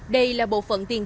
đây là bộ phận tiền gửi